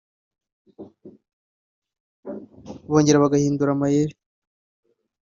bongera bagahindura amayeri